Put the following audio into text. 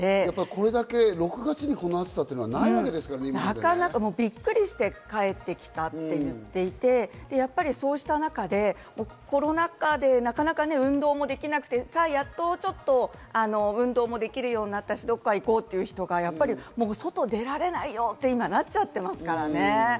これだけ６月にこの暑さはなびっくりして帰ってきたって言っていて、そうした中で、コロナ禍でなかなか運動もできなくて、やっとちょっと運動もできるようになったし、どこか行こうという人が外出られないよって、今、なっちゃってますからね。